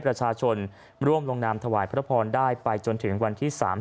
ประชาชนร่วมลงนามถวายพระพรได้ไปจนถึงวันที่๓๐